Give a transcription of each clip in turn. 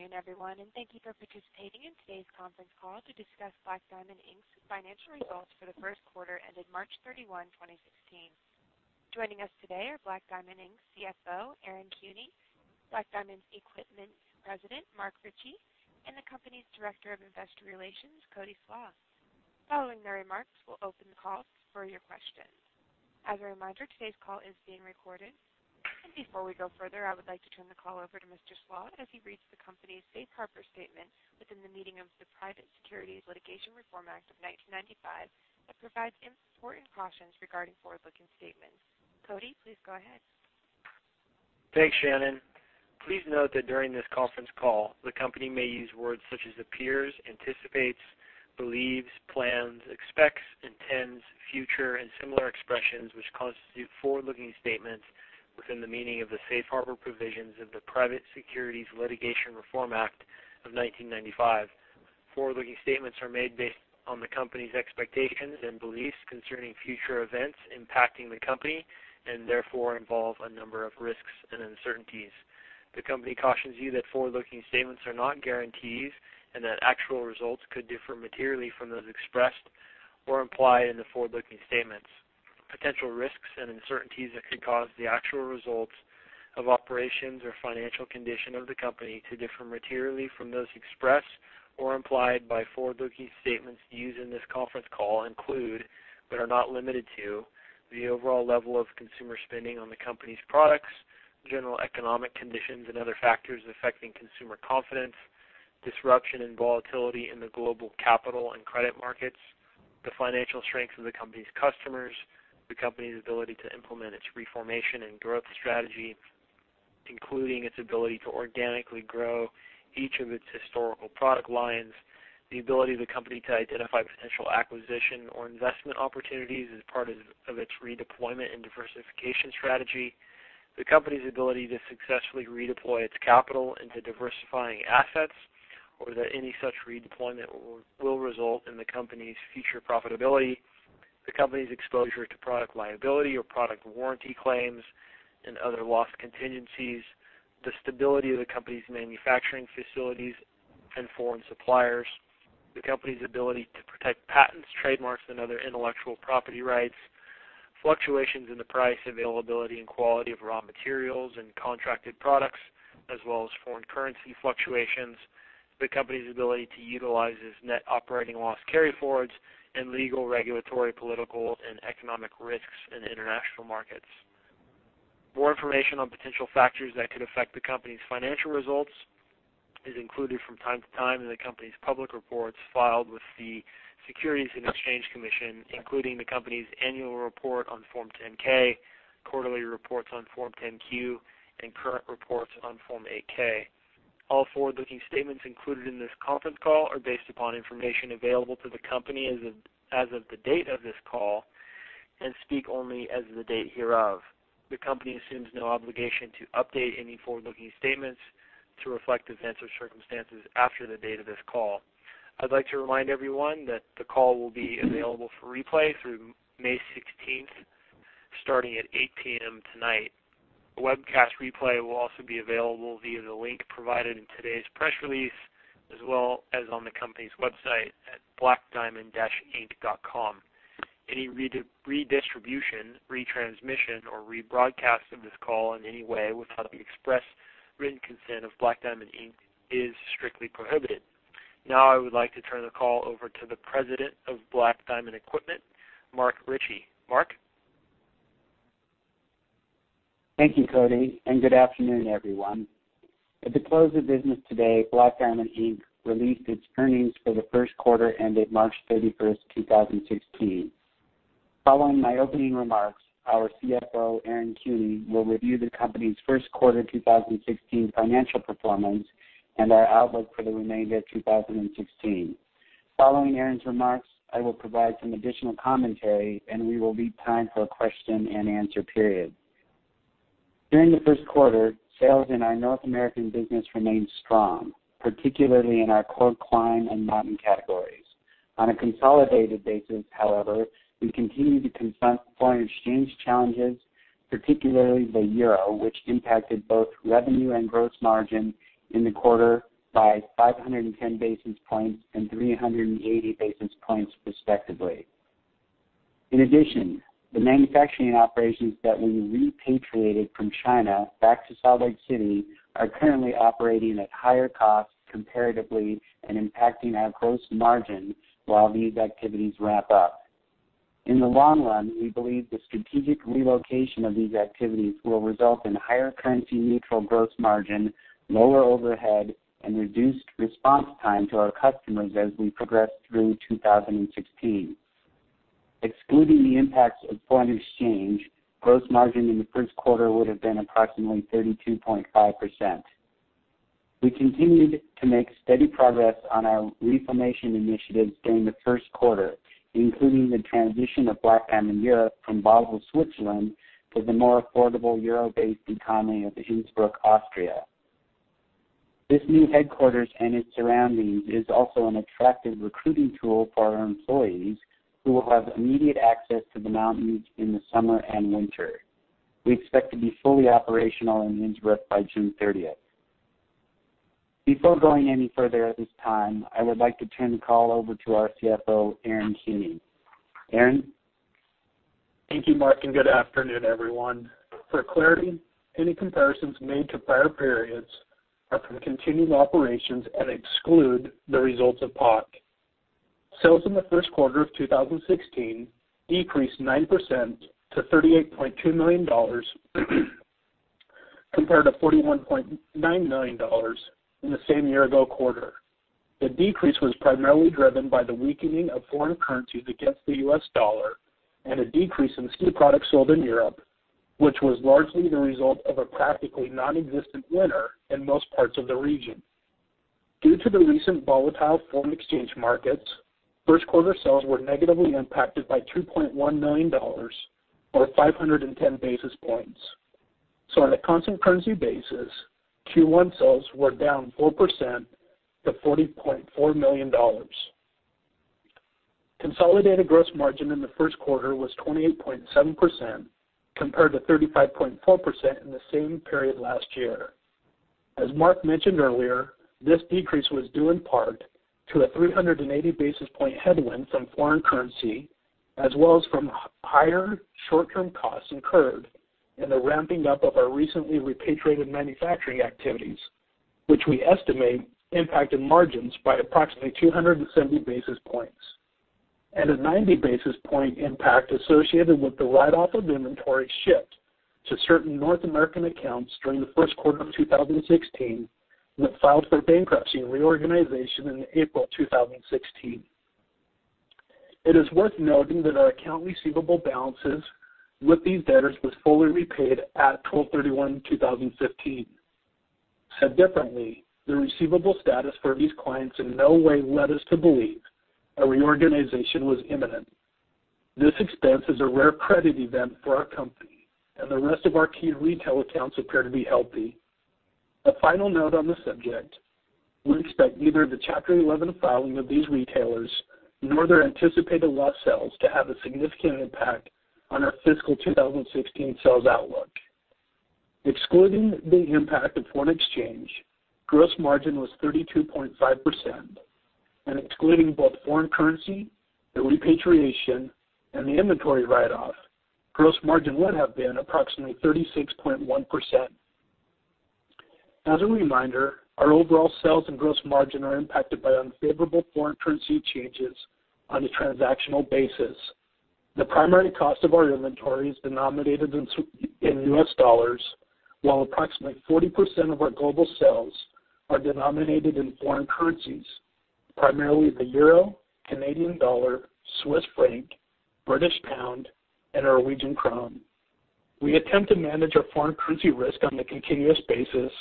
Good afternoon, everyone. Thank you for participating in today's conference call to discuss Black Diamond, Inc.'s financial results for the first quarter ended March 31, 2016. Joining us today are Black Diamond, Inc.'s CFO, Aaron Kuehne, Black Diamond Equipment President, Mark Ritchie, and the company's Director of Investor Relations, Cody Sloss. Following their remarks, we'll open the call for your questions. As a reminder, today's call is being recorded. Before we go further, I would like to turn the call over to Mr. Sloss as he reads the company's safe harbor statement within the meaning of the Private Securities Litigation Reform Act of 1995 that provides important cautions regarding forward-looking statements. Cody, please go ahead. Thanks, Shannon. Please note that during this conference call, the company may use words such as appears, anticipates, believes, plans, expects, intends, future, and similar expressions, which constitute forward-looking statements within the meaning of the safe harbor provisions of the Private Securities Litigation Reform Act of 1995. Forward-looking statements are made based on the company's expectations and beliefs concerning future events impacting the company and therefore involve a number of risks and uncertainties. The company cautions you that forward-looking statements are not guarantees and that actual results could differ materially from those expressed or implied in the forward-looking statements. Potential risks and uncertainties that could cause the actual results of operations or financial condition of the company to differ materially from those expressed or implied by forward-looking statements used in this conference call include, but are not limited to, the overall level of consumer spending on the company's products, general economic conditions, and other factors affecting consumer confidence, disruption and volatility in the global capital and credit markets, the financial strength of the company's customers, the company's ability to implement its reformation and growth strategy, including its ability to organically grow each of its historical product lines, the ability of the company to identify potential acquisition or investment opportunities as part of its redeployment and diversification strategy. The company's ability to successfully redeploy its capital into diversifying assets, or that any such redeployment will result in the company's future profitability, the company's exposure to product liability or product warranty claims and other loss contingencies, the stability of the company's manufacturing facilities and foreign suppliers, the company's ability to protect patents, trademarks, and other intellectual property rights, fluctuations in the price, availability, and quality of raw materials and contracted products, as well as foreign currency fluctuations, the company's ability to utilize its net operating loss carryforwards, and legal, regulatory, political, and economic risks in international markets. More information on potential factors that could affect the company's financial results is included from time to time in the company's public reports filed with the Securities and Exchange Commission, including the company's annual report on Form 10-K, quarterly reports on Form 10-Q, and current reports on Form 8-K. All forward-looking statements included in this conference call are based upon information available to the company as of the date of this call and speak only as of the date hereof. The company assumes no obligation to update any forward-looking statements to reflect events or circumstances after the date of this call. I'd like to remind everyone that the call will be available for replay through May 16, starting at 8:00 P.M. tonight. A webcast replay will also be available via the link provided in today's press release, as well as on the company's website at blackdiamond-inc.com. Any redistribution, retransmission, or rebroadcast of this call in any way without the express written consent of Black Diamond Inc. is strictly prohibited. I would like to turn the call over to the President of Black Diamond Equipment, Mark Ritchie. Mark? Thank you, Cody, and good afternoon, everyone. At the close of business today, Black Diamond Inc. released its earnings for the first quarter ended March 31st, 2016. Following my opening remarks, our CFO, Aaron Kuehne, will review the company's first quarter 2016 financial performance and our outlook for the remainder of 2016. Following Aaron's remarks, I will provide some additional commentary, and we will leave time for a question-and-answer period. During the first quarter, sales in our North American business remained strong, particularly in our core climb and mountain categories. On a consolidated basis, however, we continue to confront foreign exchange challenges, particularly the euro, which impacted both revenue and gross margin in the quarter by 510 basis points and 380 basis points respectively. In addition, the manufacturing operations that we repatriated from China back to Salt Lake City are currently operating at higher costs comparatively and impacting our gross margin while these activities wrap up. In the long run, we believe the strategic relocation of these activities will result in higher currency neutral gross margin, lower overhead, and reduced response time to our customers as we progress through 2016. Excluding the impacts of foreign exchange, gross margin in the first quarter would have been approximately 32.5%. We continued to make steady progress on our reformation initiatives during the first quarter, including the transition of Black Diamond Europe from Basel, Switzerland to the more affordable euro-based economy of Innsbruck, Austria. This new headquarters and its surroundings is also an attractive recruiting tool for our employees who will have immediate access to the mountains in the summer and winter. We expect to be fully operational in Innsbruck by June 30th. Before going any further at this time, I would like to turn the call over to our CFO, Aaron Kuehne. Aaron? Thank you, Mark, and good afternoon, everyone. For clarity, any comparisons made to prior periods are from continuing operations and exclude the results of POC. Sales in the first quarter of 2016 decreased 9% to $38.2 million compared to $41.9 million in the same year-ago quarter. The decrease was primarily driven by the weakening of foreign currencies against the U.S. dollar and a decrease in ski products sold in Europe, which was largely the result of a practically nonexistent winter in most parts of the region. Due to the recent volatile foreign exchange markets, first quarter sales were negatively impacted by $2.1 million, or 510 basis points. On a constant currency basis, Q1 sales were down 4% to $40.4 million. Consolidated gross margin in the first quarter was 28.7% compared to 35.4% in the same period last year. As Mark mentioned earlier, this decrease was due in part to a 380 basis point headwind from foreign currency, as well as from higher short-term costs incurred in the ramping up of our recently repatriated manufacturing activities, which we estimate impacted margins by approximately 270 basis points. A 90 basis point impact associated with the write-off of inventory shipped to certain North American accounts during the first quarter of 2016 that filed for bankruptcy and reorganization in April 2016. It is worth noting that our account receivable balances with these debtors was fully repaid at 12/31/2015. Said differently, the receivable status for these clients in no way led us to believe a reorganization was imminent. This expense is a rare credit event for our company, and the rest of our key retail accounts appear to be healthy. A final note on the subject, we expect neither the Chapter 11 filing of these retailers nor their anticipated loss sales to have a significant impact on our fiscal 2016 sales outlook. Excluding the impact of foreign exchange, gross margin was 32.5%, and excluding both foreign currency, the repatriation, and the inventory write-off, gross margin would have been approximately 36.1%. As a reminder, our overall sales and gross margin are impacted by unfavorable foreign currency changes on a transactional basis. The primary cost of our inventory is denominated in U.S. dollars, while approximately 40% of our global sales are denominated in foreign currencies, primarily the euro, Canadian dollar, Swiss franc, British pound, and Norwegian krone. We attempt to manage our foreign currency risk on a continuous basis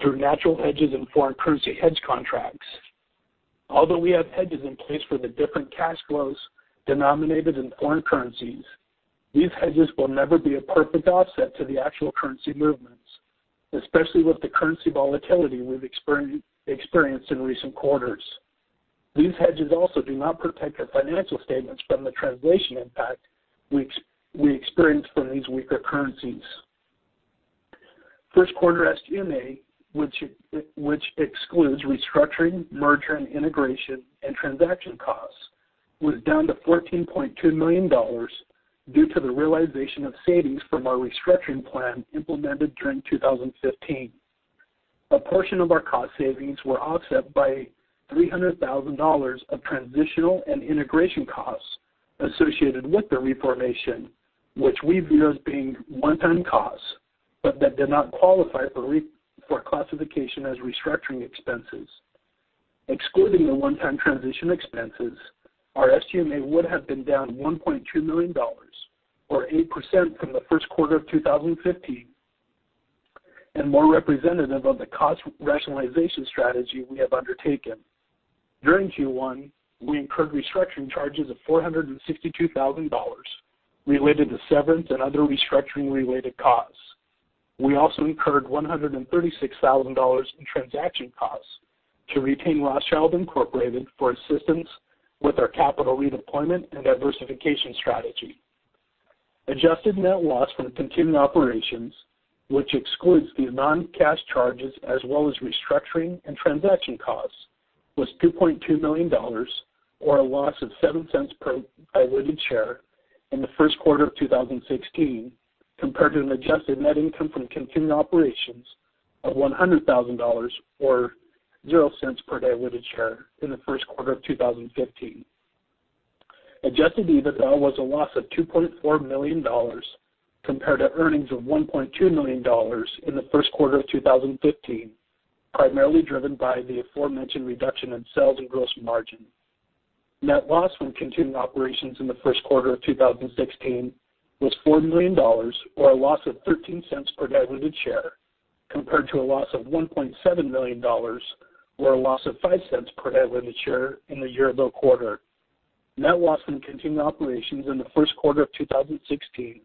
through natural hedges and foreign currency hedge contracts. Although we have hedges in place for the different cash flows denominated in foreign currencies, these hedges will never be a perfect offset to the actual currency movements, especially with the currency volatility we've experienced in recent quarters. These hedges also do not protect our financial statements from the translation impact we experience from these weaker currencies. First quarter SG&A, which excludes restructuring, merger, and integration and transaction costs, was down to $14.2 million due to the realization of savings from our restructuring plan implemented during 2015. A portion of our cost savings were offset by $300,000 of transitional and integration costs associated with the reformation, which we view as being one-time costs, but that did not qualify for classification as restructuring expenses. Excluding the one-time transition expenses, our SG&A would have been down $1.2 million, or 8% from the first quarter of 2015, and more representative of the cost rationalization strategy we have undertaken. During Q1, we incurred restructuring charges of $462,000 related to severance and other restructuring-related costs. We also incurred $136,000 in transaction costs to retain Rothschild Incorporated for assistance with our capital redeployment and diversification strategy. Adjusted net loss from continuing operations, which excludes these non-cash charges as well as restructuring and transaction costs, was $2.2 million, or a loss of $0.07 per diluted share in the first quarter of 2016 compared to an adjusted net income from continuing operations of $100,000 or $0.00 per diluted share in the first quarter of 2015. Adjusted EBITDA was a loss of $2.4 million compared to earnings of $1.2 million in the first quarter of 2015, primarily driven by the aforementioned reduction in sales and gross margin. Net loss from continuing operations in the first quarter of 2016 was $4 million, or a loss of $0.13 per diluted share, compared to a loss of $1.7 million, or a loss of $0.05 per diluted share in the year-ago quarter. Net loss from continued operations in the first quarter of 2016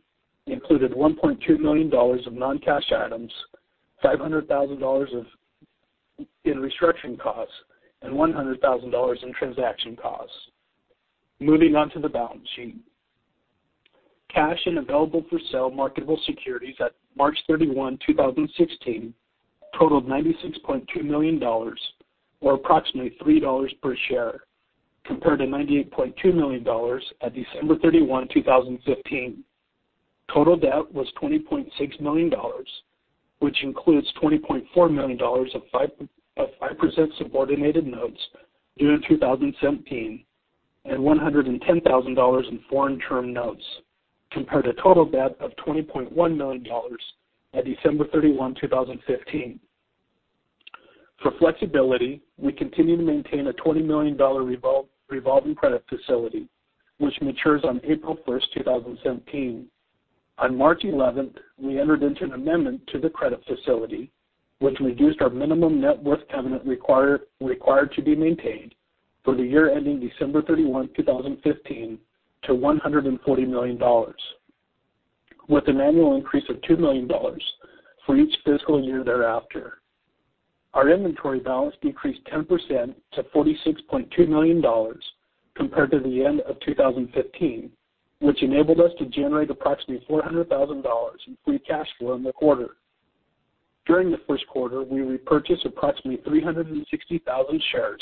included $1.2 million of non-cash items, $500,000 in restructuring costs, and $100,000 in transaction costs. Moving on to the balance sheet. Cash and available-for-sale marketable securities at March 31, 2016, totaled $96.2 million, or approximately $3 per share, compared to $98.2 million at December 31, 2015. Total debt was $20.6 million, which includes $20.4 million of 5% subordinated notes due in 2017, and $110,000 in foreign term notes, compared to total debt of $20.1 million at December 31, 2015. For flexibility, we continue to maintain a $20 million revolving credit facility, which matures on April 1st, 2017. On March 11th, we entered into an amendment to the credit facility, which reduced our minimum net worth covenant required to be maintained for the year ending December 31, 2015, to $140 million, with an annual increase of $2 million for each fiscal year thereafter. Our inventory balance decreased 10% to $46.2 million compared to the end of 2015, which enabled us to generate approximately $400,000 in free cash flow in the quarter. During the first quarter, we repurchased approximately 360,000 shares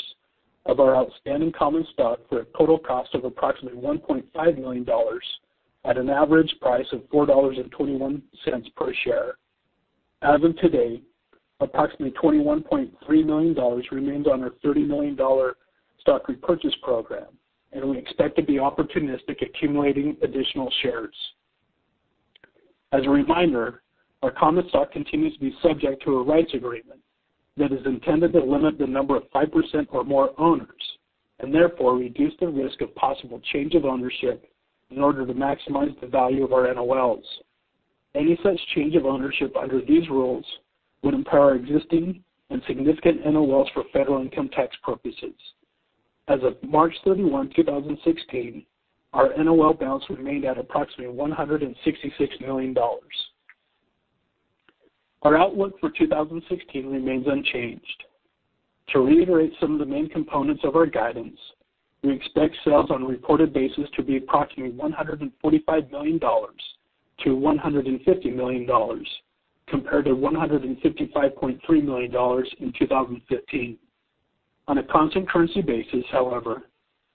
of our outstanding common stock for a total cost of approximately $1.5 million, at an average price of $4.21 per share. As of today, approximately $21.3 million remains on our $30 million stock repurchase program, and we expect to be opportunistic accumulating additional shares. As a reminder, our common stock continues to be subject to a rights agreement that is intended to limit the number of 5% or more owners, and therefore reduce the risk of possible change of ownership in order to maximize the value of our NOLs. Any such change of ownership under these rules would impair our existing and significant NOLs for federal income tax purposes. As of March 31, 2016, our NOL balance remained at approximately $166 million. Our outlook for 2016 remains unchanged. To reiterate some of the main components of our guidance, we expect sales on a reported basis to be approximately $145 million to $150 million, compared to $155.3 million in 2015. On a constant currency basis, however,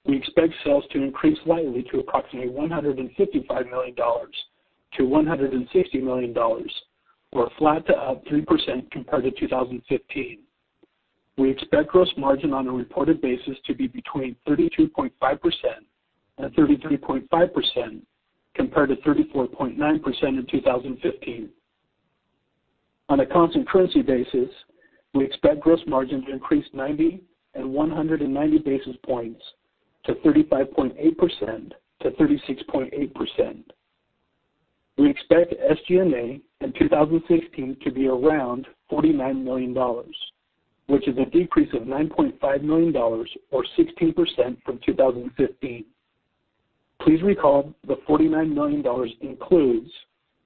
we expect sales to increase slightly to approximately $155 million to $160 million, or flat to up 3% compared to 2015. We expect gross margin on a reported basis to be between 32.5% and 33.5%, compared to 34.9% in 2015. On a constant currency basis, we expect gross margin to increase 90 and 190 basis points to 35.8% to 36.8%. We expect SG&A in 2016 to be around $49 million, which is a decrease of $9.5 million or 16% from 2015. Please recall the $49 million includes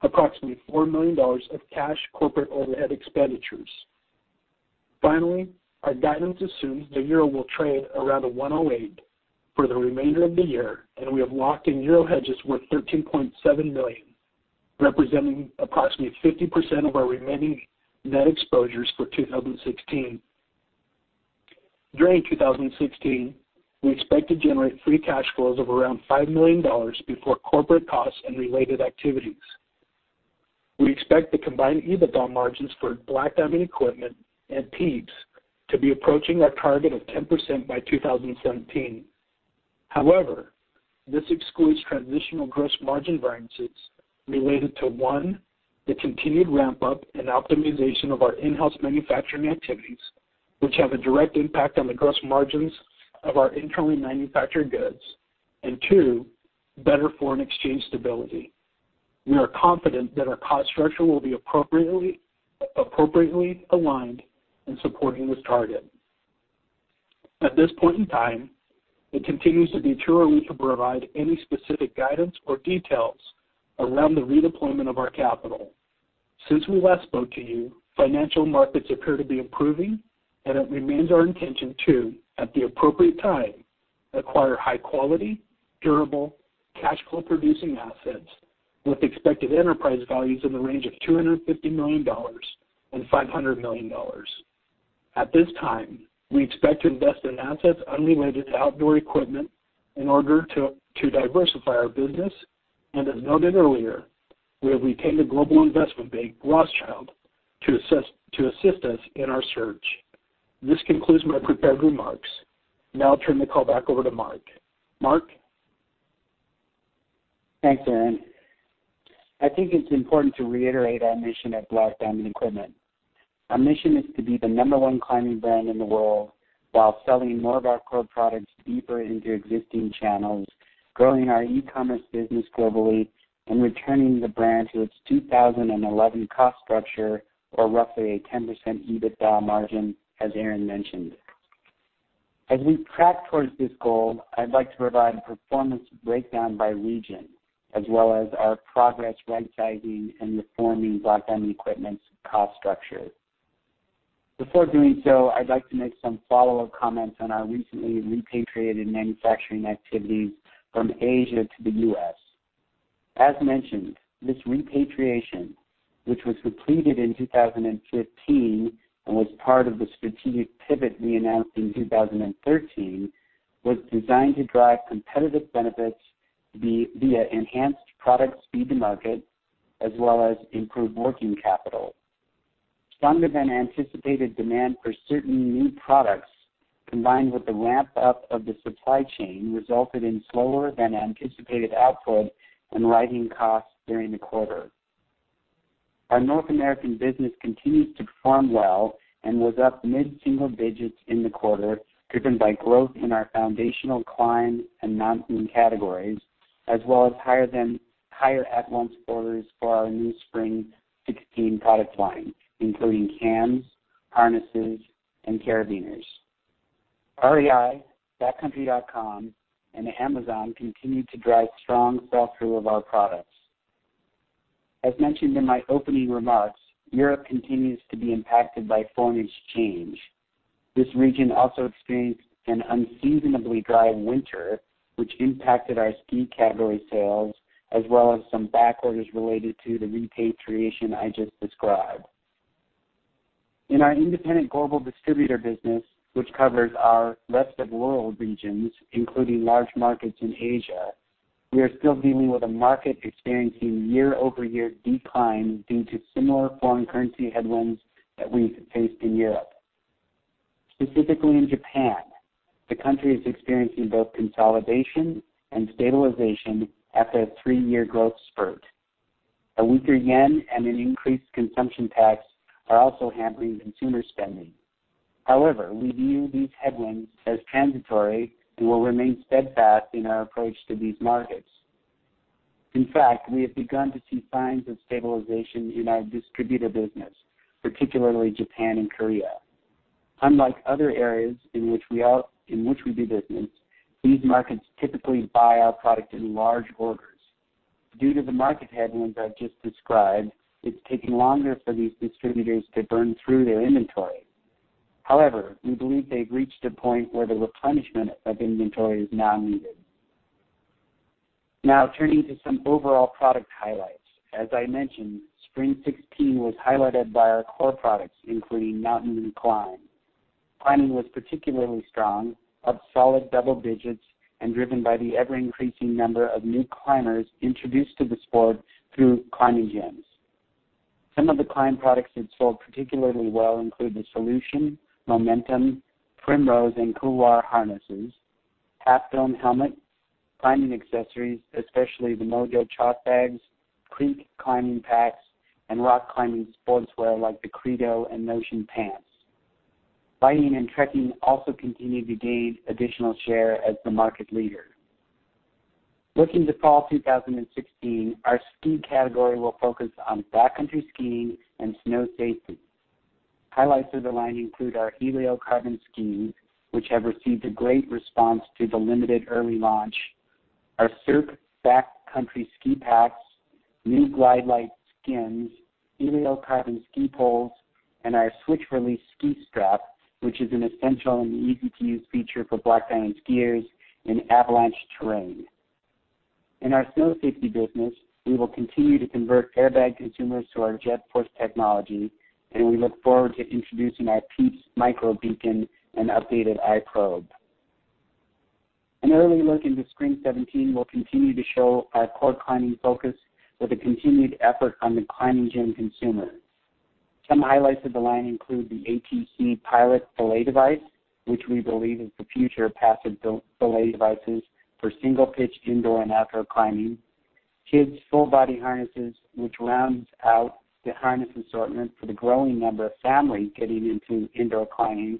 approximately $4 million of cash corporate overhead expenditures. Our guidance assumes the euro will trade around 108 for the remainder of the year, and we have locked in euro hedges worth 13.7 million, representing approximately 50% of our remaining net exposures for 2016. During 2016, we expect to generate free cash flows of around $5 million before corporate costs and related activities. We expect the combined EBITDA margins for Black Diamond Equipment and Pieps to be approaching our target of 10% by 2017. This excludes transitional gross margin variances related to, one, the continued ramp-up and optimization of our in-house manufacturing activities, which have a direct impact on the gross margins of our internally manufactured goods. Two, better foreign exchange stability. We are confident that our cost structure will be appropriately aligned in supporting this target. At this point in time, it continues to be true we can't provide any specific guidance or details around the redeployment of our capital. Since we last spoke to you, financial markets appear to be improving, and it remains our intention to, at the appropriate time, acquire high-quality, durable, cash flow producing assets with expected enterprise values in the range of $250 million-$500 million. At this time, we expect to invest in assets unrelated to outdoor equipment in order to diversify our business. As noted earlier, we have retained a global investment bank, Rothschild, to assist us in our search. This concludes my prepared remarks. I'll turn the call back over to Mark. Mark? Thanks, Aaron. I think it's important to reiterate our mission at Black Diamond Equipment. Our mission is to be the number one climbing brand in the world while selling more of our core products deeper into existing channels, growing our e-commerce business globally, and returning the brand to its 2011 cost structure or roughly a 10% EBITDA margin, as Aaron mentioned. As we track towards this goal, I'd like to provide a performance breakdown by region, as well as our progress rightsizing and reforming Black Diamond Equipment's cost structure. Before doing so, I'd like to make some follow-up comments on our recently repatriated manufacturing activities from Asia to the U.S. As mentioned, this repatriation, which was completed in 2015 and was part of the strategic pivot we announced in 2013, was designed to drive competitive benefits via enhanced product speed to market, as well as improved working capital. Stronger than anticipated demand for certain new products, combined with the ramp-up of the supply chain, resulted in slower than anticipated output and rising costs during the quarter. Our North American business continues to perform well and was up mid-single digits in the quarter, driven by growth in our foundational climb and mountain categories, as well as higher at-once orders for our new spring 2016 product line, including cams, harnesses, and carabiners. REI, backcountry.com, and Amazon continued to drive strong sell-through of our products. As mentioned in my opening remarks, Europe continues to be impacted by foreign exchange. This region also experienced an unseasonably dry winter, which impacted our ski category sales, as well as some back orders related to the repatriation I just described. In our independent global distributor business, which covers our rest of world regions, including large markets in Asia, we are still dealing with a market experiencing year-over-year decline due to similar foreign currency headwinds that we faced in Europe. Specifically in Japan, the country is experiencing both consolidation and stabilization after a three-year growth spurt. A weaker yen and an increased consumption tax are also hampering consumer spending. We view these headwinds as transitory and will remain steadfast in our approach to these markets. In fact, we have begun to see signs of stabilization in our distributor business, particularly Japan and Korea. Unlike other areas in which we do business, these markets typically buy our product in large orders. Due to the market headwinds I've just described, it's taking longer for these distributors to burn through their inventory. However, we believe they've reached a point where the replenishment of inventory is now needed. Now turning to some overall product highlights. As I mentioned, spring 2016 was highlighted by our core products, including Mountain and Climb. Climbing was particularly strong, up solid double digits, and driven by the ever-increasing number of new climbers introduced to the sport through climbing gyms. Some of the climb products that sold particularly well include the Solution, Momentum, Primrose, and Couloir harnesses, Half Dome helmets, climbing accessories, especially the Mojo chalk bags, Creek climbing packs, and rock climbing sportswear like the Credo and Notion pants. Lighting and trekking also continued to gain additional share as the market leader. Looking to fall 2016, our ski category will focus on backcountry skiing and snow safety. Highlights of the line include our Helio carbon skis, which have received a great response to the limited early launch, our Cirque backcountry ski packs, new GlideLite skins, Helio carbon ski poles, and our Switch Release ski strap, which is an essential and easy-to-use feature for Black Diamond skiers in avalanche terrain. In our snow safety business, we will continue to convert airbag consumers to our JetForce technology, and we look forward to introducing our PIEPS Micro beacon and updated iProbe. An early look into spring 2017 will continue to show our core climbing focus with a continued effort on the climbing gym consumer. Some highlights of the line include the ATC Pilot belay device, which we believe is the future of passive belay devices for single pitch indoor and outdoor climbing, kids' full-body harnesses, which rounds out the harness assortment for the growing number of families getting into indoor climbing,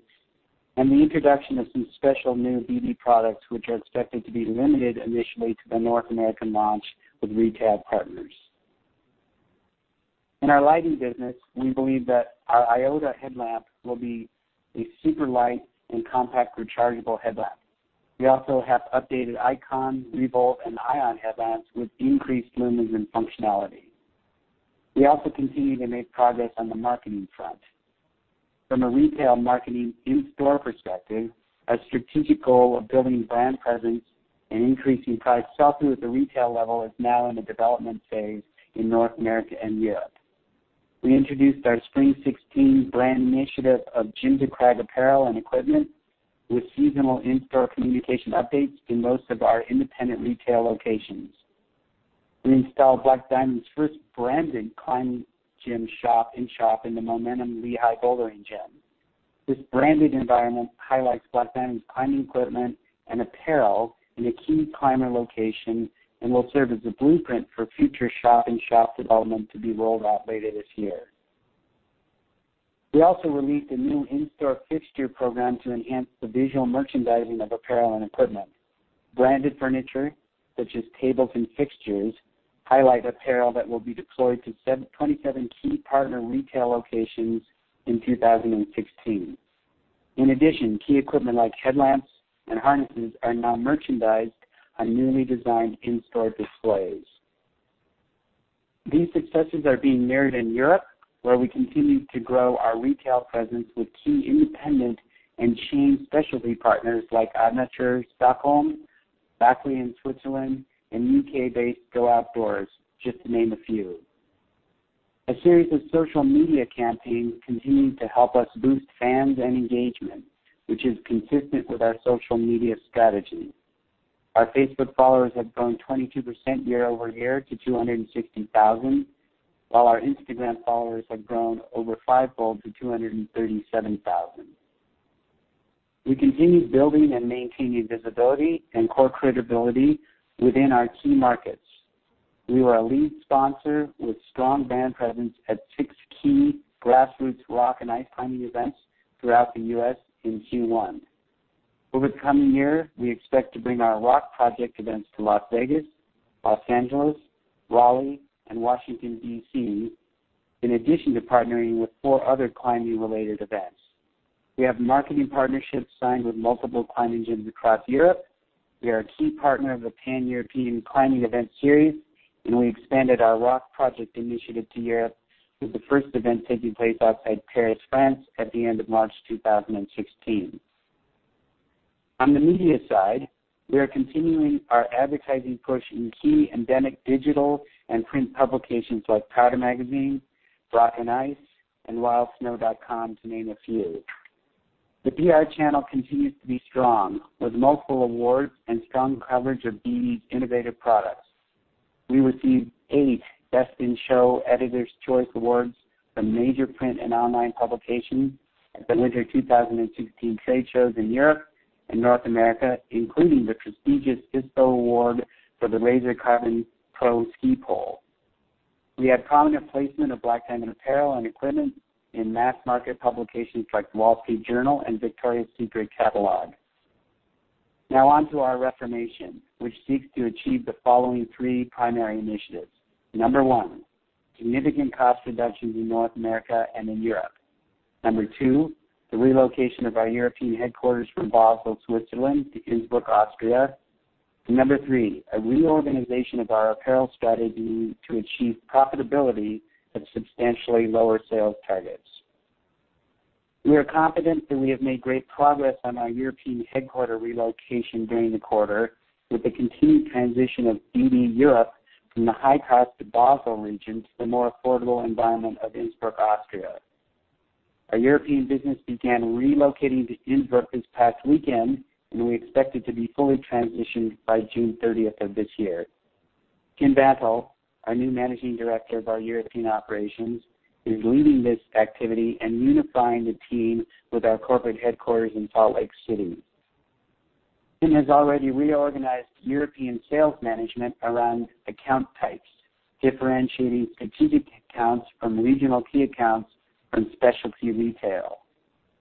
and the introduction of some special new BD products, which are expected to be limited initially to the North American launch with retail partners. In our lighting business, we believe that our Iota headlamp will be a super light and compact rechargeable headlamp. We also have updated Icon, ReVolt, and Ion headlamps with increased lumens and functionality. We also continue to make progress on the marketing front. From a retail marketing in-store perspective, a strategic goal of building brand presence and increasing product sell-through at the retail level is now in the development phase in North America and Europe. We introduced our spring 2016 brand initiative of Gym to Crag apparel and equipment with seasonal in-store communication updates in most of our independent retail locations. We installed Black Diamond's first branded climbing gym shop-in-shop in the Momentum Lehi Bouldering Gym. This branded environment highlights Black Diamond's climbing equipment and apparel in a key climber location and will serve as a blueprint for future shop-in-shop development to be rolled out later this year. We also released a new in-store fixture program to enhance the visual merchandising of apparel and equipment. Branded furniture, such as tables and fixtures, highlight apparel that will be deployed to 27 key partner retail locations in 2016. In addition, key equipment like headlamps and harnesses are now merchandised on newly designed in-store displays. These successes are being mirrored in Europe, where we continue to grow our retail presence with key independent and chain specialty partners like Aventura Stockholm, Bächli Bergsport in Switzerland, and U.K.-based GO Outdoors, just to name a few. A series of social media campaigns continue to help us boost fans and engagement, which is consistent with our social media strategy. Our Facebook followers have grown 22% year-over-year to 260,000, while our Instagram followers have grown over fivefold to 237,000. We continue building and maintaining visibility and core credibility within our key markets. We were a lead sponsor with strong brand presence at six key grassroots rock and ice climbing events throughout the U.S. in Q1. Over the coming year, we expect to bring our Rock Project events to Las Vegas, Los Angeles, Raleigh, and Washington, D.C., in addition to partnering with four other climbing-related events. We have marketing partnerships signed with multiple climbing gyms across Europe. We are a key partner of the Pan-European Climbing Event Series, and we expanded our Rock Project initiative to Europe, with the first event taking place outside Paris, France, at the end of March 2016. On the media side, we are continuing our advertising push in key endemic digital and print publications like Powder Magazine, Rock and Ice, and wildsnow.com to name a few. The PR channel continues to be strong, with multiple awards and strong coverage of BD's innovative products. We received eight Best in Show Editor's Choice Awards from major print and online publications at the winter 2016 trade shows in Europe and North America, including the prestigious ISPO Award for the Razor Carbon Pro Ski Pole. We had prominent placement of Black Diamond apparel and equipment in mass market publications like The Wall Street Journal and Victoria's Secret catalog. Now on to our reformation, which seeks to achieve the following three primary initiatives. Number one, significant cost reductions in North America and in Europe. Number two, the relocation of our European headquarters from Basel, Switzerland, to Innsbruck, Austria. Number three, a reorganization of our apparel strategy to achieve profitability at substantially lower sales targets. We are confident that we have made great progress on our European headquarter relocation during the quarter, with the continued transition of BD Europe from the high cost of Basel region to the more affordable environment of Innsbruck, Austria. Our European business began relocating to Innsbruck this past weekend, and we expect it to be fully transitioned by June 30th of this year. Tim Bantle, our new managing director of our European operations, is leading this activity and unifying the team with our corporate headquarters in Salt Lake City. Tim has already reorganized European sales management around account types, differentiating strategic accounts from regional key accounts from specialty retail.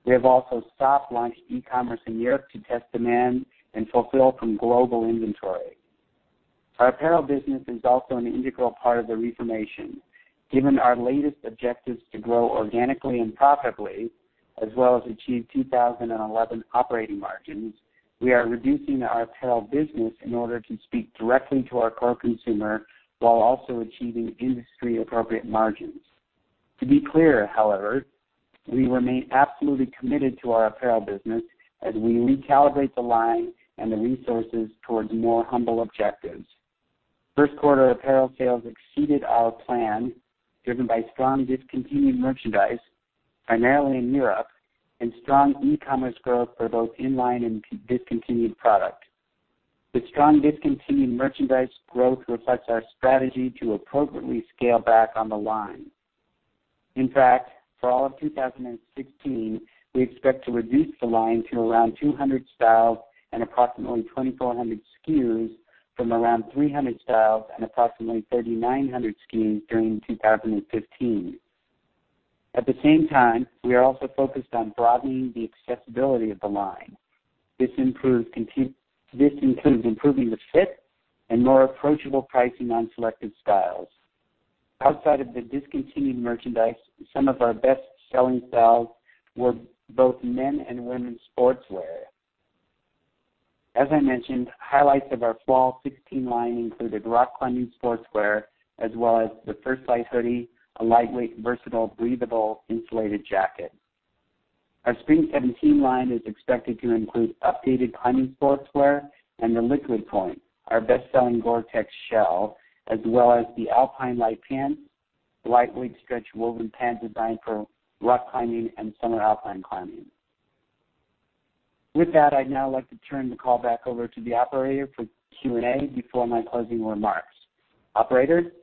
We have also soft launched e-commerce in Europe to test demand and fulfill from global inventory. Our apparel business is also an integral part of the reformation. Given our latest objectives to grow organically and profitably, as well as achieve 2011 operating margins, we are reducing our apparel business in order to speak directly to our core consumer while also achieving industry-appropriate margins. To be clear, however, we remain absolutely committed to our apparel business as we recalibrate the line and the resources towards more humble objectives. First quarter apparel sales exceeded our plan, driven by strong discontinued merchandise, primarily in Europe, and strong e-commerce growth for both in-line and discontinued product. The strong discontinued merchandise growth reflects our strategy to appropriately scale back on the line. In fact, for all of 2016, we expect to reduce the line to around 200 styles and approximately 2,400 SKUs from around 300 styles and approximately 3,900 SKUs during 2015. At the same time, we are also focused on broadening the accessibility of the line. This includes improving the fit and more approachable pricing on selected styles. Outside of the discontinued merchandise, some of our best-selling styles were both men and women's sportswear. As I mentioned, highlights of our fall 2016 line included rock climbing sportswear as well as the First Light Hoody, a lightweight, versatile, breathable, insulated jacket. Our spring 2017 line is expected to include updated climbing sportswear and the Liquid Point, our best-selling GORE-TEX shell, as well as the Alpine Light Pant, a lightweight stretch woven pant designed for rock climbing and summer alpine climbing. With that, I'd now like to turn the call back over to the operator for Q&A before my closing remarks. Operator?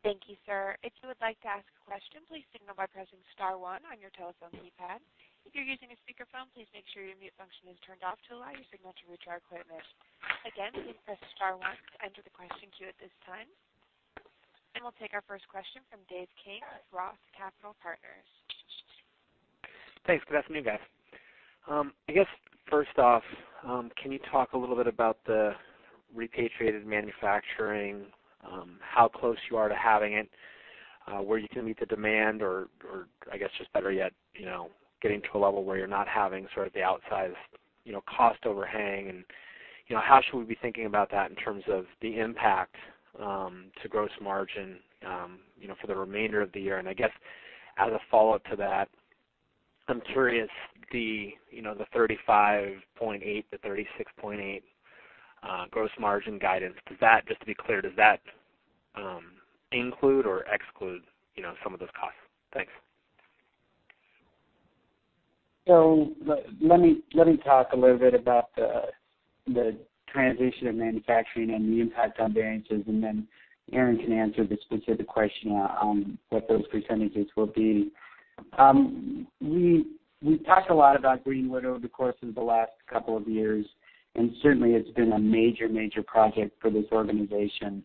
Thank you, sir. If you would like to ask a question, please signal by pressing star one on your telephone keypad. If you're using a speakerphone, please make sure your mute function is turned off to allow your signal to reach our equipment. Again, please press star one to enter the question queue at this time. We'll take our first question from David King at Roth Capital Partners. Thanks. Good afternoon, guys. I guess first off, can you talk a little bit about the repatriated manufacturing, how close you are to having it? Where you can meet the demand or, I guess just better yet, getting to a level where you're not having the outsized cost overhang and how should we be thinking about that in terms of the impact to gross margin for the remainder of the year? I guess as a follow-up to that, I'm curious, the 35.8%-36.8% gross margin guidance, just to be clear, does that include or exclude some of those costs? Thanks. Let me talk a little bit about the transition of manufacturing and the impact on variances, and then Aaron can answer the specific question on what those percentages will be. We've talked a lot about Green Widow over the course of the last couple of years, and certainly it's been a major project for this organization.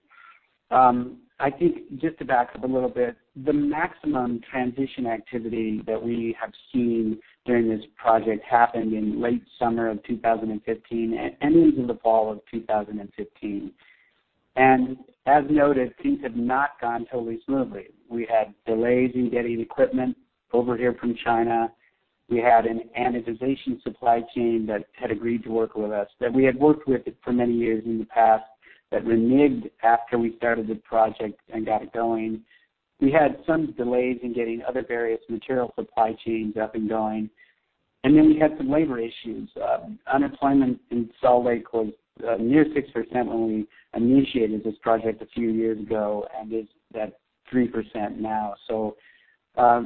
The maximum transition activity that we have seen during this project happened in late summer of 2015 and ended in the fall of 2015. As noted, things have not gone totally smoothly. We had delays in getting equipment over here from China. We had an anodization supply chain that had agreed to work with us, that we had worked with for many years in the past, that reneged after we started the project and got it going. We had some delays in getting other various material supply chains up and going. We had some labor issues. Unemployment in Salt Lake was near 6% when we initiated this project a few years ago, and is at 3% now.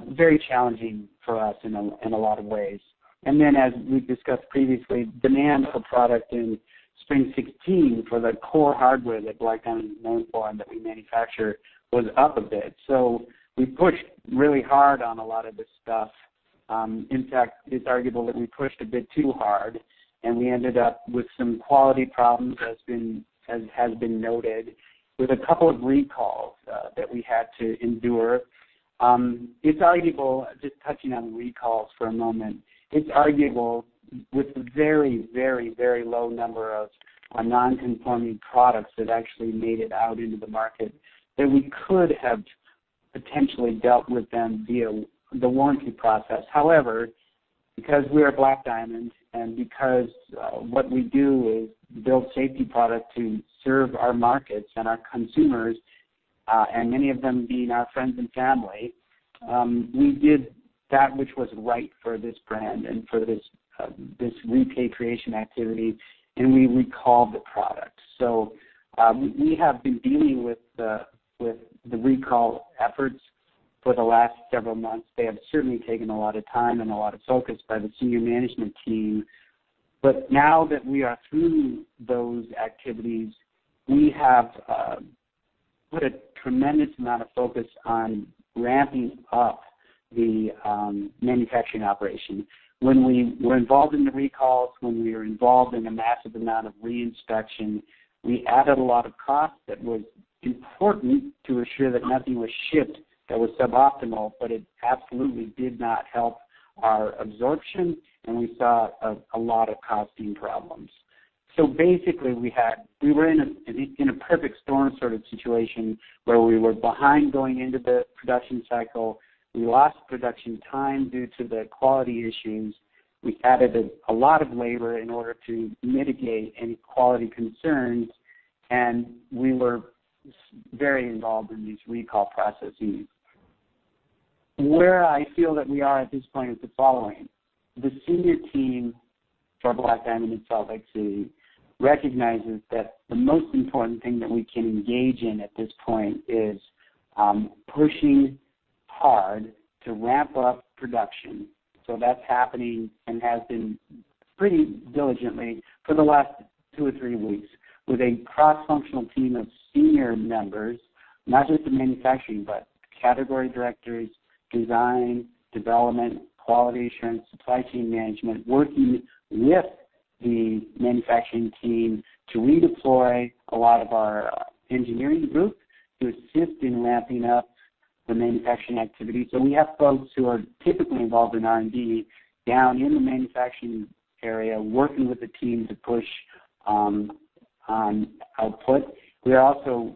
Very challenging for us in a lot of ways. As we've discussed previously, demand for product in spring 2016 for the core hardware that Black Diamond is known for and that we manufacture was up a bit. We pushed really hard on a lot of this stuff. In fact, it's arguable that we pushed a bit too hard, and we ended up with some quality problems, as has been noted, with a couple of recalls, that we had to endure. Just touching on the recalls for a moment. It's arguable with the very low number of non-conforming products that actually made it out into the market, that we could have potentially dealt with them via the warranty process. Because we are Black Diamond and because what we do is build safety product to serve our markets and our consumers, and many of them being our friends and family, we did that which was right for this brand and for this reputation activity, and we recalled the product. We have been dealing with the recall efforts for the last several months. They have certainly taken a lot of time and a lot of focus by the senior management team. Now that we are through those activities, we have put a tremendous amount of focus on ramping up the manufacturing operation. When we were involved in the recalls, when we were involved in a massive amount of re-inspection, we added a lot of cost that was important to assure that nothing was shipped that was suboptimal, but it absolutely did not help our absorption, and we saw a lot of costing problems. Basically, we were in a perfect storm sort of situation where we were behind going into the production cycle. We lost production time due to the quality issues. We added a lot of labor in order to mitigate any quality concerns, and we were very involved in these recall processes. Where I feel that we are at this point is the following. The senior team for Black Diamond in Salt Lake City recognizes that the most important thing that we can engage in at this point is pushing hard to ramp up production. That's happening and has been pretty diligently for the last two or three weeks with a cross-functional team of senior members, not just in manufacturing, but category directors, design, development, quality assurance, supply chain management, working with the manufacturing team to redeploy a lot of our engineering group to assist in ramping up the manufacturing activity. We have folks who are typically involved in R&D down in the manufacturing area, working with the team to push on output. We are also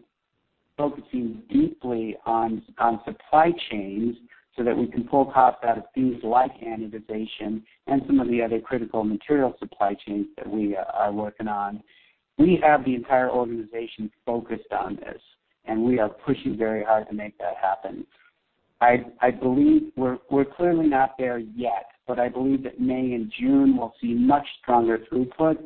focusing deeply on supply chains so that we can pull costs out of things like anodization and some of the other critical material supply chains that we are working on. We have the entire organization focused on this, and we are pushing very hard to make that happen. We're clearly not there yet, but I believe that May and June will see much stronger throughput.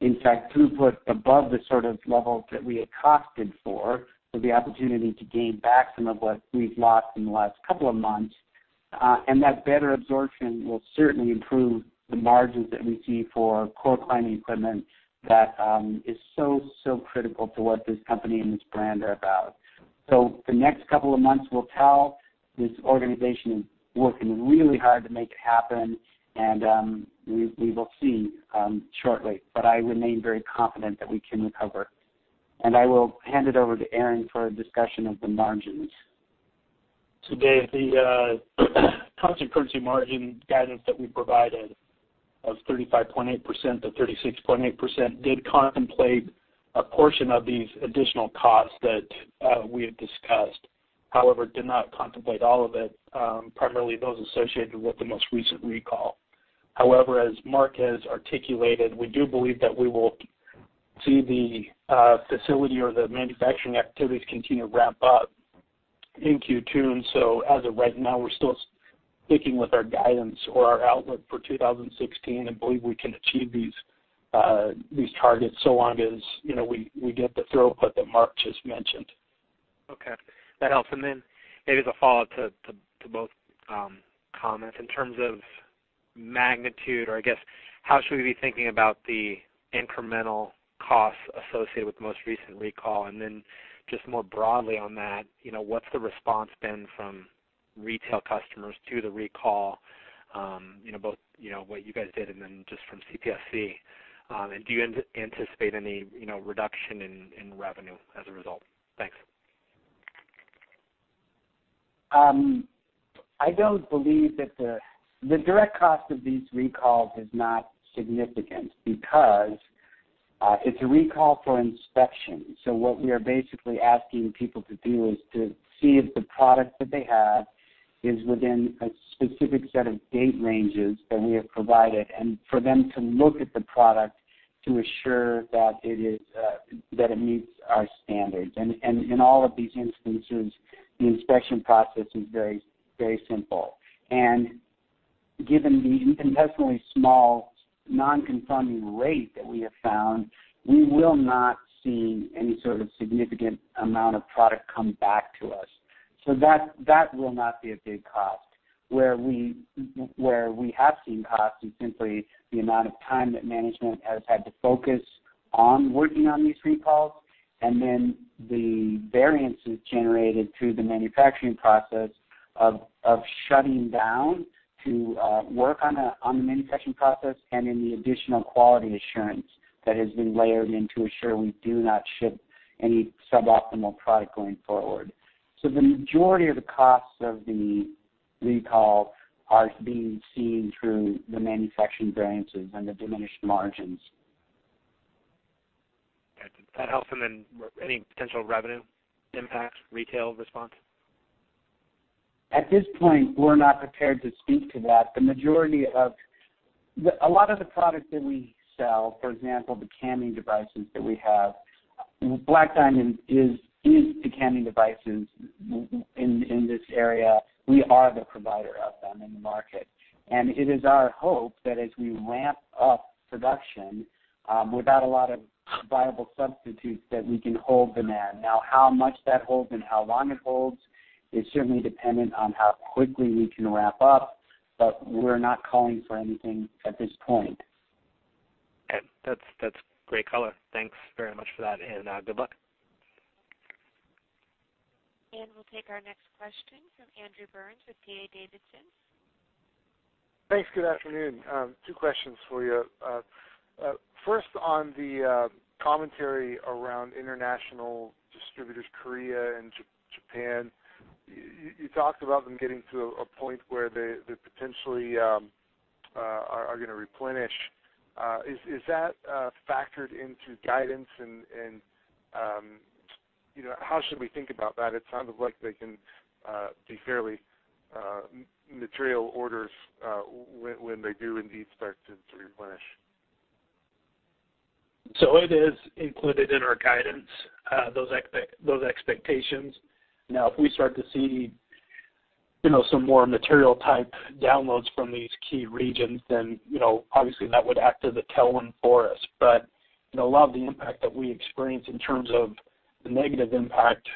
In fact, throughput above the sort of levels that we had costed for, with the opportunity to gain back some of what we've lost in the last couple of months. That better absorption will certainly improve the margins that we see for core climbing equipment that is so critical to what this company and this brand are about. The next couple of months will tell. This organization is working really hard to make it happen, and we will see shortly, but I remain very confident that we can recover. I will hand it over to Aaron for a discussion of the margins. Dave, the constant currency margin guidance that we provided. Of 35.8%-36.8% did contemplate a portion of these additional costs that we have discussed. However, did not contemplate all of it, primarily those associated with the most recent recall. However, as Mark has articulated, we do believe that we will see the facility or the manufacturing activities continue to ramp up in Q2. As of right now, we're still sticking with our guidance or our outlook for 2016 and believe we can achieve these targets so long as we get the throughput that Mark just mentioned. Okay, that helps. Maybe as a follow-up to both comments, in terms of magnitude, or I guess, how should we be thinking about the incremental costs associated with the most recent recall? Just more broadly on that, what's the response been from retail customers to the recall, both what you guys did and then just from CPSC. Do you anticipate any reduction in revenue as a result? Thanks. I don't believe that the direct cost of these recalls is not significant because it's a recall for inspection. What we are basically asking people to do is to see if the product that they have is within a specific set of date ranges that we have provided, and for them to look at the product to assure that it meets our standards. In all of these instances, the inspection process is very simple. Given the infinitesimally small, non-conforming rate that we have found, we will not see any sort of significant amount of product come back to us. That will not be a big cost. Where we have seen cost is simply the amount of time that management has had to focus on working on these recalls, and then the variances generated through the manufacturing process of shutting down to work on the manufacturing process and in the additional quality assurance that has been layered in to assure we do not ship any suboptimal product going forward. The majority of the costs of the recall are being seen through the manufacturing variances and the diminished margins. Okay. That helps. Then any potential revenue impacts, retail response? At this point, we're not prepared to speak to that. A lot of the products that we sell, for example, the camming devices that we have, Black Diamond is the camming devices in this area. We are the provider of them in the market. It is our hope that as we ramp up production, without a lot of viable substitutes, that we can hold demand. How much that holds and how long it holds is certainly dependent on how quickly we can ramp up, but we're not calling for anything at this point. Okay. That's great color. Thanks very much for that, and good luck. We'll take our next question from Andrew Burns with D.A. Davidson. Thanks. Good afternoon. Two questions for you. First on the commentary around international distributors, Korea and Japan. You talked about them getting to a point where they potentially are going to replenish. Is that factored into guidance and how should we think about that? It sounds like they can be fairly material orders when they do indeed start to replenish. It is included in our guidance, those expectations. If we start to see some more material-type downloads from these key regions, then obviously that would act as a tailwind for us. A lot of the impact that we experienced in terms of the negative impact,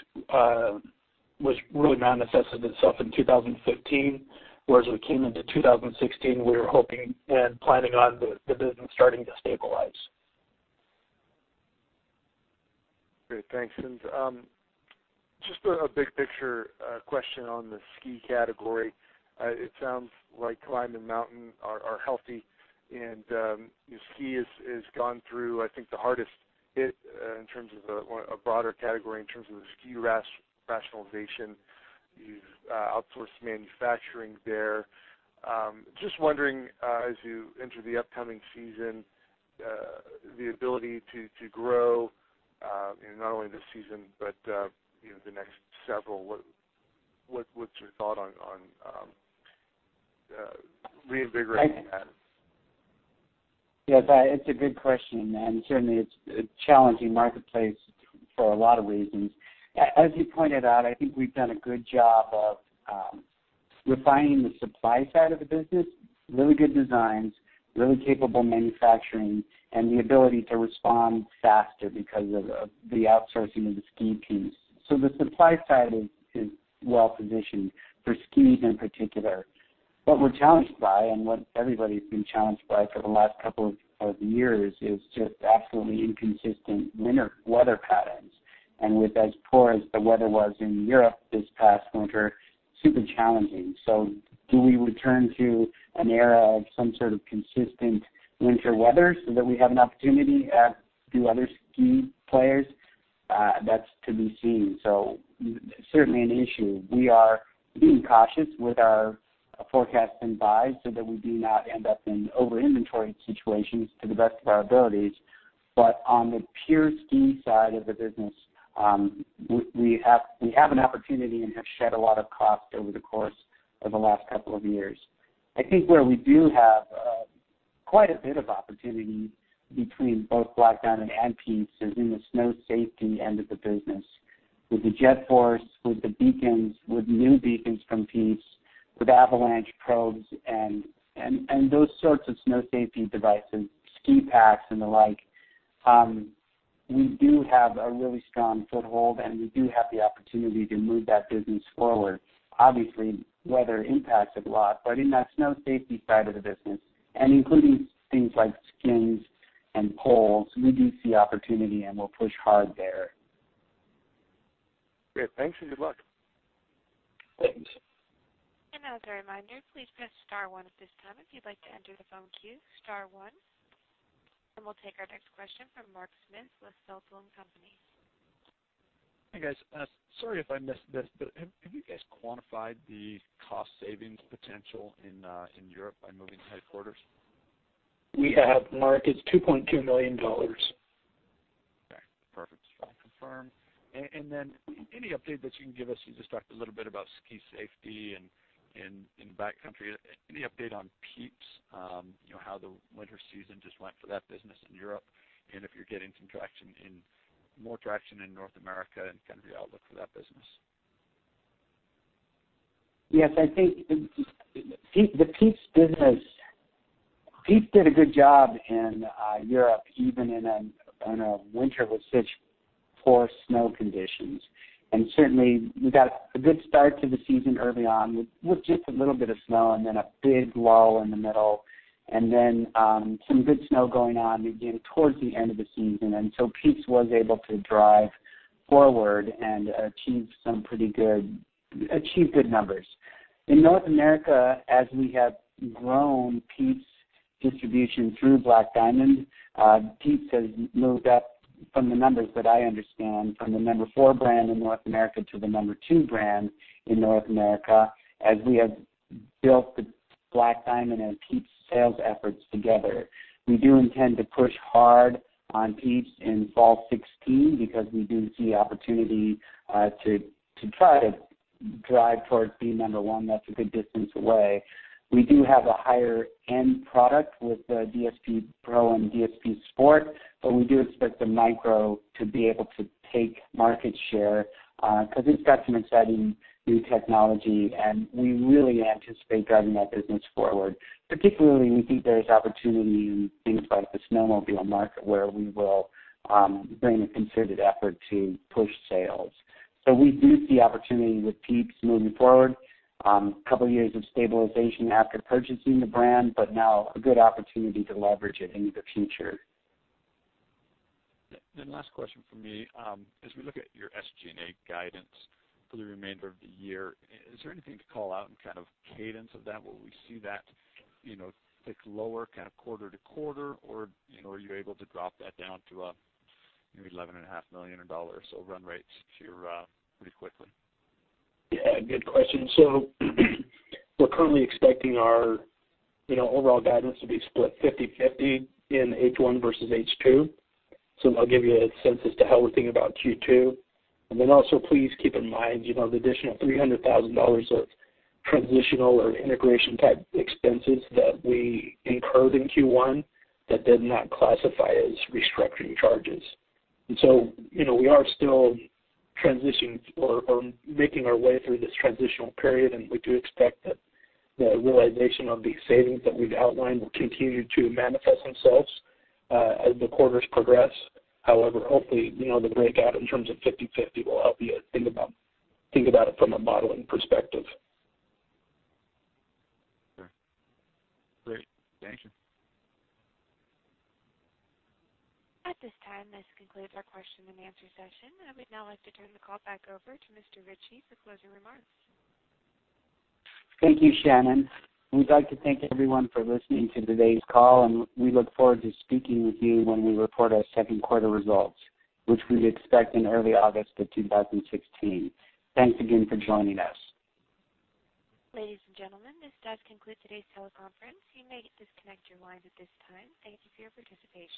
which really manifested itself in 2015, whereas we came into 2016, we were hoping and planning on the business starting to stabilize. Great. Thanks. Just a big picture question on the ski category. It sounds like climb and mountain are healthy, and ski has gone through, I think, the hardest hit in terms of a broader category, in terms of the ski rationalization, outsourced manufacturing there. Just wondering, as you enter the upcoming season, the ability to grow in not only this season, but the next several. What's your thought on reinvigorating that? Yes, it's a good question. Certainly it's a challenging marketplace for a lot of reasons. As you pointed out, I think we've done a good job of refining the supply side of the business. Really good designs, really capable manufacturing, and the ability to respond faster because of the outsourcing of the ski piece. The supply side is well-positioned for skis in particular. What we're challenged by, and what everybody's been challenged by for the last couple of years, is just absolutely inconsistent winter weather patterns. With as poor as the weather was in Europe this past winter, super challenging. Do we return to an era of some sort of consistent winter weather so that we have an opportunity, as do other ski players? That's to be seen. Certainly an issue. We are being cautious with our forecast and buys so that we do not end up in over-inventory situations to the best of our abilities. On the pure ski side of the business, we have an opportunity and have shed a lot of cost over the course of the last couple of years. I think where we do have quite a bit of opportunity between both Black Diamond and Pieps is in the snow safety end of the business, with the JetForce, with the beacons, with new beacons from Pieps, with avalanche probes and those sorts of snow safety devices, ski packs and the like. We do have a really strong foothold, and we do have the opportunity to move that business forward. Obviously, weather impacts it a lot. In that snow safety side of the business, and including things like skins and poles, we do see opportunity, and we'll push hard there. Great. Thanks, and good luck. Thanks. As a reminder, please press star one at this time if you'd like to enter the phone queue, star one. We'll take our next question from Mark Smith with Feltl and Company. Hey, guys. Sorry if I missed this, but have you guys quantified the cost savings potential in Europe by moving the headquarters? We have, Mark. It's $2.2 million. Okay, perfect. Just want to confirm. Any update that you can give us, you just talked a little bit about ski safety in the backcountry. Any update on Pieps, how the winter season just went for that business in Europe, and if you're getting more traction in North America and kind of the outlook for that business? Yes, I think the Pieps business, Pieps did a good job in Europe, even in a winter with such poor snow conditions. Certainly we got a good start to the season early on with just a little bit of snow and then a big lull in the middle, and then some good snow going on again towards the end of the season. Pieps was able to drive forward and achieve good numbers. In North America, as we have grown Pieps distribution through Black Diamond, Pieps has moved up from the numbers that I understand from the number four brand in North America to the number two brand in North America, as we have built the Black Diamond and Pieps sales efforts together. We do intend to push hard on Pieps in fall 2016 because we do see opportunity to try to drive towards being number one. That's a good distance away. We do have a higher-end product with the DSP Pro and DSP Sport, but we do expect the Micro to be able to take market share because it's got some exciting new technology, and we really anticipate driving that business forward. Particularly, we think there's opportunity in things like the snowmobile market where we will bring a concerted effort to push sales. We do see opportunity with Pieps moving forward. A couple of years of stabilization after purchasing the brand, but now a good opportunity to leverage it into the future. Last question from me. As we look at your SG&A guidance for the remainder of the year, is there anything to call out in cadence of that? Will we see that tick lower quarter-to-quarter, or are you able to drop that down to $11.5 million or so run rates pretty quickly? Yeah, good question. We're currently expecting our overall guidance to be split 50/50 in H1 versus H2. Also, please keep in mind the additional $300,000 of transitional or integration type expenses that we incurred in Q1 that did not classify as restructuring charges. We are still transitioning or making our way through this transitional period, and we do expect that the realization of these savings that we've outlined will continue to manifest themselves as the quarters progress. Hopefully, the breakout in terms of 50/50 will help you think about it from a modeling perspective. Sure. Great. Thank you. At this time, this concludes our question and answer session. I would now like to turn the call back over to Mr. Ritchie for closing remarks. Thank you, Shannon. We'd like to thank everyone for listening to today's call, and we look forward to speaking with you when we report our second quarter results, which we expect in early August of 2016. Thanks again for joining us. Ladies and gentlemen, this does conclude today's teleconference. You may disconnect your lines at this time. Thank you for your participation.